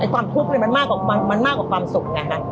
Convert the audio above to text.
ความทุกข์มันมากกว่าความสุขไงฮะ